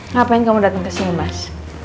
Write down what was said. ngapain kamu datang ke sini mas